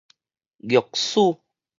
玉璽